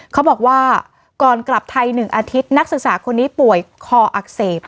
เขาบอกว่าก่อนกลับไทย๑อาทิตย์นักศึกษาคนนี้ป่วยคออักเสบ